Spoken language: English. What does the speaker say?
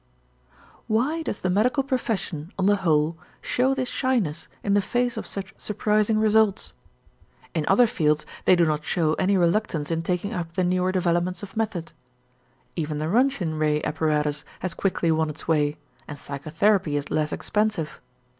Why does the medical profession on the whole show this shyness in the face of such surprising results? In other fields they do not show any reluctance in taking up the newer developments of method. Even the Roentgen ray apparatus has quickly won its way, and psychotherapy is less expensive.